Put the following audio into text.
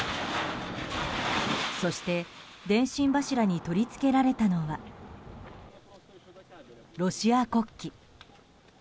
そして電信柱に取り付けられたのはロシア国旗。